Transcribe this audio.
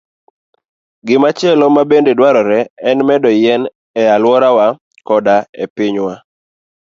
Gimachielo mabende dwarore en medo yien e alworawa koda e pinywa.